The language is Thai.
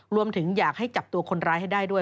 รวมถึงอยากให้จับตัวคนร้ายให้ได้ด้วย